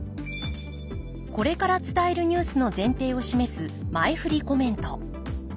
これから伝えるニュースの前提を示す前振りコメント。